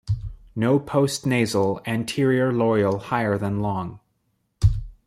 No postnasal, anterior loreal higher than long.